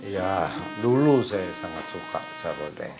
ya dulu saya sangat suka sayur lodeh